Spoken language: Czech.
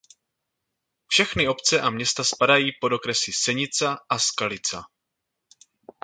Všechny obce a města spadají pod okresy Senica a Skalica.